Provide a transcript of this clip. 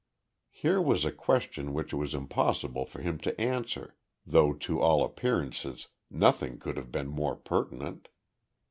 Here was a question which it was impossible for him to answer, though to all appearances, nothing could have been more pertinent.